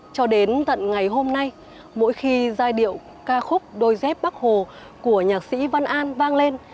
cho đến tận ngày hôm nay mỗi khi giai điệu ca khúc đôi dép bắc hồ của nhạc sĩ văn an vang lên